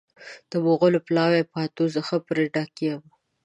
د مغلو پلاو پاتو ښه پرې ډک یم.